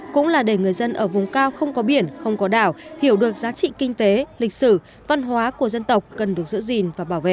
cũng là để người dân ở vùng cao không có biển không có đảo hiểu được giá trị kinh tế lịch sử văn hóa của dân tộc cần được giữ gìn và bảo vệ